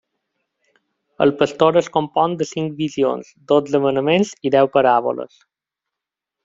El Pastor es compon de cinc visions, dotze manaments i deu paràboles.